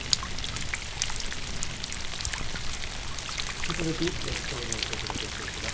引き続き列島ニュースお届けしていきます。